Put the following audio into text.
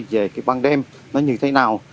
về ban đêm nó như thế nào